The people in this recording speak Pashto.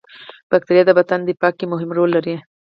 بکتریا د بدن دفاع کې مهم رول لري